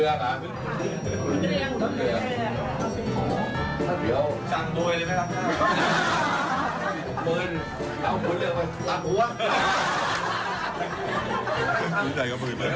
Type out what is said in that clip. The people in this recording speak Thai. โอเคให้ไป